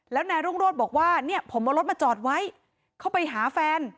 แล้วนายรุ่งโรธบอกว่าเนี่ยผมเอารถมาจอดไว้เข้าไปหาแฟน